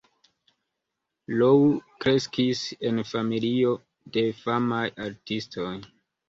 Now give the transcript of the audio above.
Lou kreskis en familio de famaj artistoj.